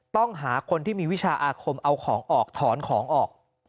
ต้องหาคนที่มีวิชาอาคมเอาของออกถอนของออก